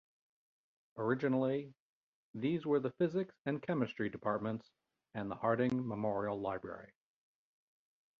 Originally these were the physics and chemistry departments, and the Harding Memorial Library.